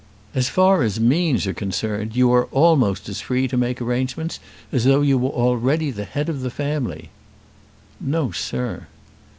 As far as means are concerned you are almost as free to make arrangements as though you were already the head of the family." "No, sir."